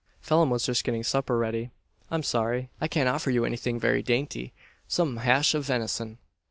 Phelim was just getting supper ready. I'm sorry I can't offer you anything very dainty some hash of venison."